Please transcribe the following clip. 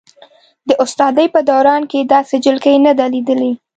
د استادۍ په دوران کې یې داسې جلکۍ نه ده لیدلې.